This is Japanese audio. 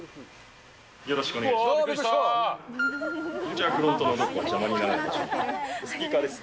よろしくお願いします。